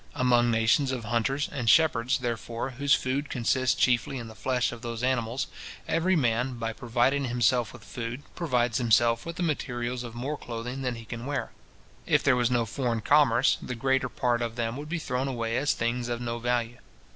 Among nations of hunters and shepherds, therefore, whose food consists chiefly in the flesh of those animals, everyman, by providing himself with food, provides himself with the materials of more clothing than he can wear. If there was no foreign commerce, the greater part of them would be thrown away as things of no value.